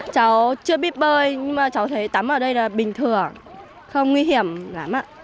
cháu chưa biết bơi nhưng mà cháu thấy tắm ở đây là bình thường không nguy hiểm lắm ạ